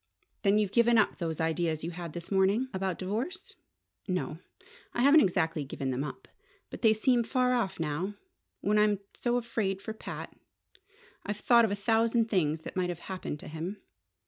"Then you've given up those ideas you had this morning?" "About divorce? No. I haven't exactly given them up. But they seem far off now when I'm so afraid for Pat. I've thought of a thousand things that might have happened to him.